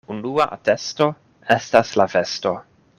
Unua atesto estas la vesto.